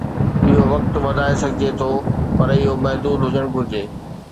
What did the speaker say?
اهو وقت وڌائي سگهجي ٿو" پر اهو محدود هجڻ گهرجي.